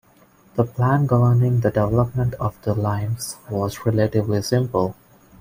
The plan governing the development of the limes was relatively simple.